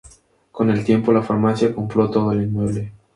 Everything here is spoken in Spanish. Con el tiempo, la farmacia compró todo el inmueble.